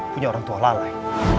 punya orang tua lalai